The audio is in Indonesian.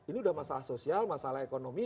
ini udah masalah sosial masalah ekonomi